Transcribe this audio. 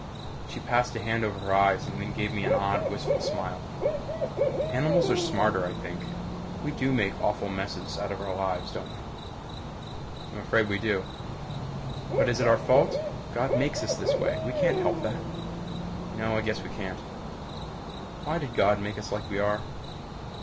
She passed a hand over her eyes and then gave me an odd wistful smile. "Animals are smarter, I think. We do make awful messes out of our lives, don't we?" "I'm afraid we do." "But is it our fault? God makes us this way. We can't help that." "No, I guess we can't." "Why did God make us like we are?"